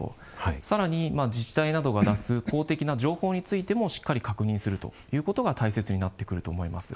さらに、自治体などが出す公的な情報についてもしっかり確認するということが大切になってくると思います。